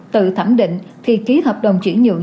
tự thẩm định thì ký hợp đồng chuyển nhượng